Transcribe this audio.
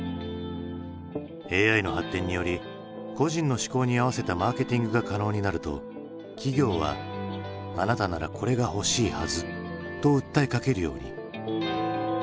ＡＩの発展により個人の嗜好に合わせたマーケティングが可能になると企業は「あなたならこれが欲しいはず」と訴えかけるように。